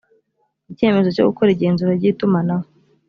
icyemezo cyo gukora igenzura ry itumanaho